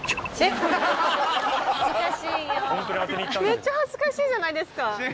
めっちゃ恥ずかしいじゃないですか。